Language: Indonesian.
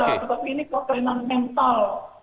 tetapi ini pertanyaan mental